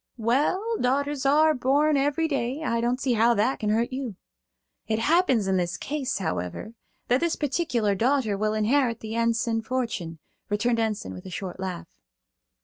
"Well, daughters are born every day. I don't see how that can hurt you." "It happens in this case, however, that this particular daughter will inherit the Enson fortune," returned Enson with a short laugh.